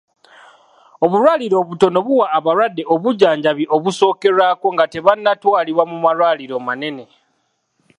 Obulwaliro obutono buwa abalwadde obujjanjabi obusookerwako nga tebannatwalibwa mu malwaliro manene.